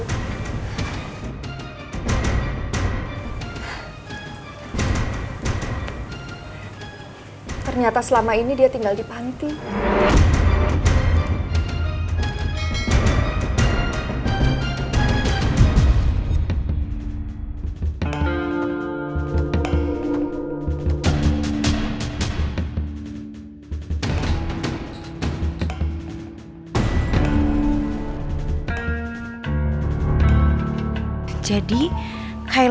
ternyata selama ini dia tinggal di panti